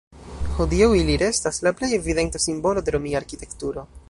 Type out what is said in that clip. Hodiaŭ ili restas "la plej evidenta simbolo de romia arkitekturo".